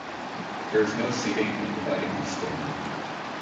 There was no seating and the lighting was dim.